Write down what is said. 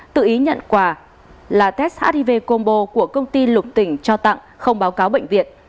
tự ý nhận quà là test hiv combo của công ty lục tỉnh cho tặng không báo cáo bệnh viện